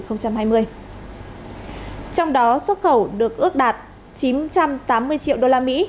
trong đó xuất khẩu được ước đạt chín trăm tám mươi triệu usd